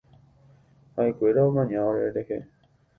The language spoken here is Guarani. Ha’ekuéra omaña orerehe.